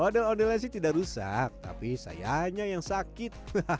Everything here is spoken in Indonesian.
ondel ondelnya sih tidak rusak tapi sayangnya yang sakit